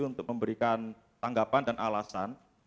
untuk memberikan tanggapan dan alasan